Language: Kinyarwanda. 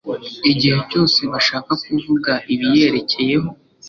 igihe cyose bashaka kuvuga ibiyerekeyeho.